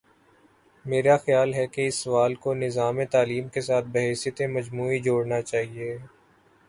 میرا خیال ہے کہ اس سوال کو نظام تعلیم کے ساتھ بحیثیت مجموعی جوڑنا چاہیے۔